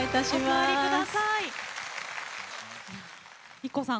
ＩＫＫＯさん